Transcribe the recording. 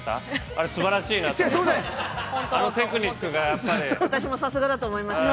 あれ、すばらしいなと思いました。